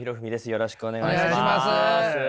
よろしくお願いします。